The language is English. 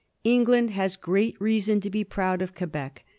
England has great reason to be proud of Quebec.